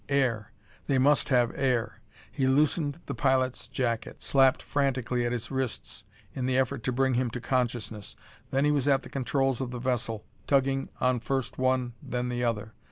Air! They must have air! He loosened the pilot's jacket; slapped frantically at his wrists in the effort to bring him to consciousness. Then he was at the controls of the vessel, tugging on first one, then the other.